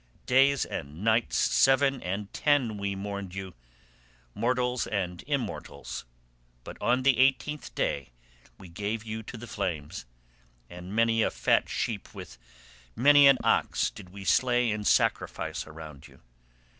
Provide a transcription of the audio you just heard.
Days and nights seven and ten we mourned you, mortals and immortals, but on the eighteenth day we gave you to the flames, and many a fat sheep with many an ox did we slay in sacrifice around you.